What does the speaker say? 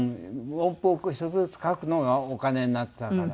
音符をこう１つずつ書くのがお金になってたから。